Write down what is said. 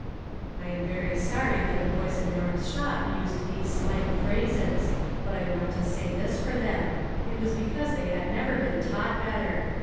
" (I am very sorry that the boys in Norm's shop used these slang phrases ; but I want to say this for them : it was because they had never been taught better.